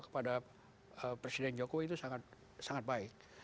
kepada presiden jokowi itu sangat baik